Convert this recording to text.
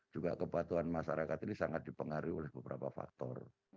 juga kepatuhan masyarakat ini sangat dipengaruhi oleh beberapa faktor